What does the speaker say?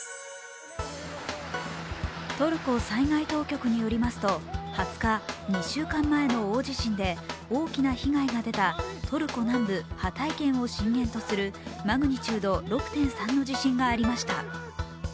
トルコ災害当局によりますと２０日２週間前の大地震で大きな被害が出たトルコ南部ハタイ県を震源とするマグニチュード６．３の地震がありました。